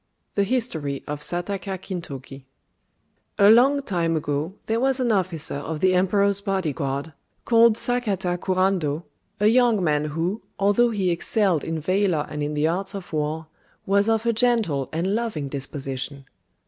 (2)] THE HISTORY OF SAKATA KINTOKI A long time ago there was an officer of the Emperor's body guard, called Sakata Kurando, a young man who, although he excelled in valour and in the arts of war, was of a gentle and loving disposition.